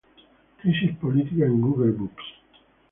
Crisis política en Google books.